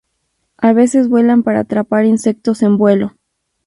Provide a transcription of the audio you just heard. A veces vuelan para atrapar insectos en vuelo.